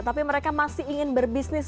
tapi mereka masih ingin berbisnis